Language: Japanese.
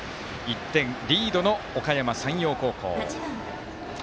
１点リードのおかやま山陽高校。